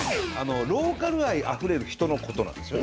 ローカル愛あふれる人のことなんですよね。